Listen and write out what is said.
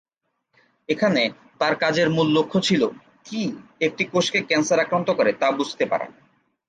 এখানে তার কাজের মূল লক্ষ্য ছিলো, কী একটি কোষকে ক্যান্সার আক্রান্ত করে তা বুঝতে পারা।